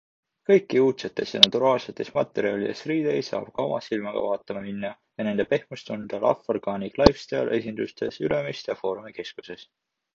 Kõiki uudsetest ja naturaalsetest materjalidest riideid saab ka oma silmaga vaatama minna ja nende pehmust tunda LAV ORGANIC LIFESTYLE esindustes Ülemiste ja Foorumi keskuses.